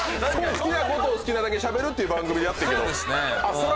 好きなことを好きなだけしゃべるっていう番組でやってるけどそら